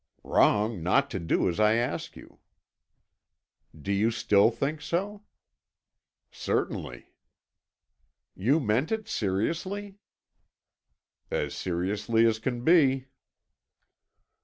"Wrong not to do as I ask you." "Do you still think so?" "Certainly." "You meant it seriously?" "As seriously as can be."